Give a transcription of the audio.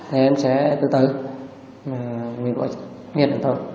thì em sẽ tự tử mình có nghiệp thôi